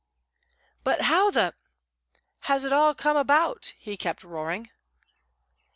"But how the has it all come about!" he kept roaring.